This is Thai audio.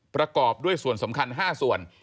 ประกอบด้วยส่วนสำคัญ๕ส่วน